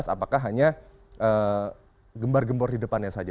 apakah hanya gembar gembor di depannya saja